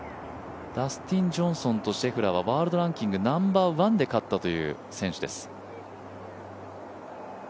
ダスティン・ジョンソンとシェフラーはワールドランキング、ナンバーワンで勝ったという選手です。